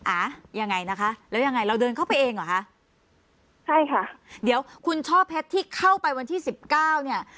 อ่ะยังไงนะคะแล้วยังไงเราเดินเข้าไปเองเหรอคะใช่ค่ะเดี๋ยวคุณช่อเพชรที่เข้าไปวันที่สิบเก้าเนี่ย